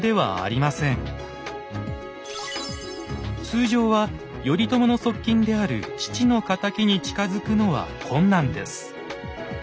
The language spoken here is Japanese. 通常は頼朝の側近である父の敵に近づくのは困難です。